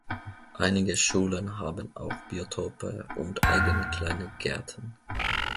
Einige Schulen haben auch Biotope und eigene kleine Gärten.